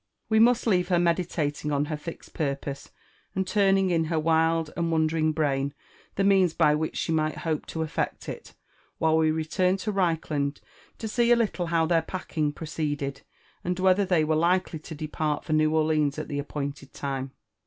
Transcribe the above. We must leave her meditating on her fixed purpose, and turning in her wild and wondering brain the means by which she might hope to effect it, \Vhile we return to Reichland to see a little how their packing proceeded, and whether they were likely to depart for New Orleans at the appointed time.